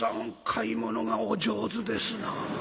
買い物がお上手ですなあ。